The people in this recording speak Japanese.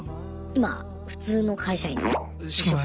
今普通の会社員を。